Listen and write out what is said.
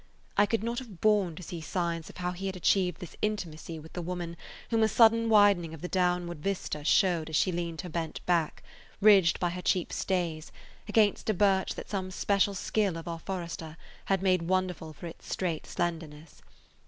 I could not have borne to see signs of how he had achieved this intimacy with the woman whom a sudden widening of the downward vista showed as she leaned her bent back, ridged by her cheap stays, against a birch that some special skill of our forester had made wonderful for its straight slenderness.